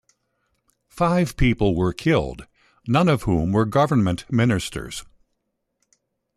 Five people were killed, none of whom were government ministers.